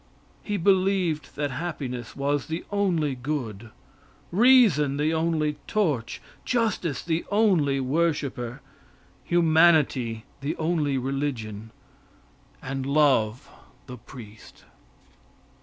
He believed that happiness was the only good, reason the only torch, justice the only worshiper, humanity the only religion, and love the priest.